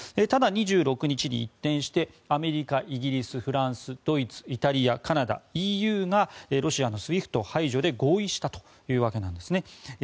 ただ、２６日に一転してアメリカ、イギリス、フランスドイツ、イタリアカナダ、ＥＵがロシアのＳＷＩＦＴ排除で合意したというわけなんですね。